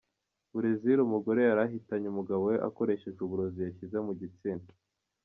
burezile Umugore yari ahitanye umugabo we akoresheje uburozi yishyize mu gitsina.